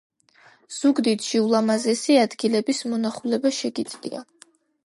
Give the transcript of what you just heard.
ზუგდიდში ულამაზესი ადგილების მონახულება შეგიძლია